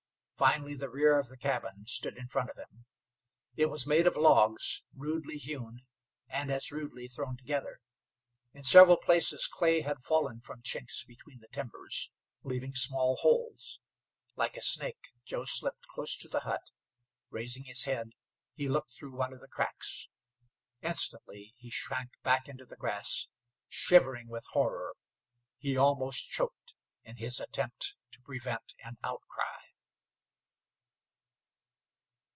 Finally the rear of the cabin stood in front of him. It was made of logs, rudely hewn, and as rudely thrown together. In several places clay had fallen from chinks between the timbers, leaving small holes. Like a snake Joe slipped close to the hut. Raising his head he looked through one of the cracks. Instantly he shrank back into the grass, shivering with horror. He almost choked in his attempt to prevent an outcry.